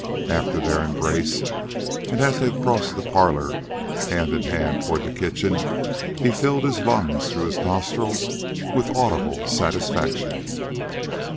After their embrace, and as they crossed the parlor hand in hand toward the kitchen, he filled his lungs through his nostrils with audible satisfaction.